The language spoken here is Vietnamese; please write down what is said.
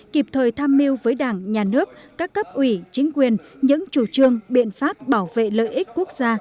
kịp thời tham mưu với đảng nhà nước các cấp ủy chính quyền những chủ trương biện pháp bảo vệ lợi ích quốc gia